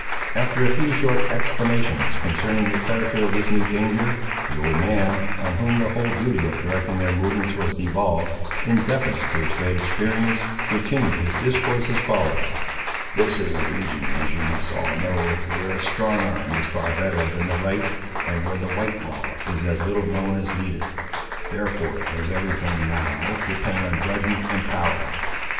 After a few short explanations concerning the character of this new danger, the old man, on whom the whole duty of directing their movements was devolved, in deference to his great experience, continued his discourse as follows— "This is a region, as you must all know, where a strong arm is far better than the right, and where the white law is as little known as needed. Therefore does every thing, now, depend on judgment and power.